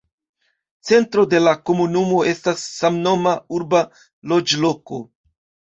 Centro de la komunumo estas samnoma urba loĝloko.